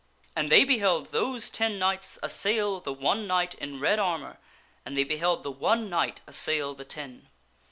And they beheld those ten knights assail the one knight in red armor, and they beheld the one knight assail the ten.